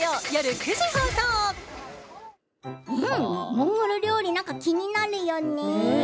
モンゴル料理気になるよね。